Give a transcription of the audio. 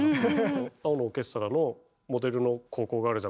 「青のオーケストラ」のモデルの高校があるじゃないですか。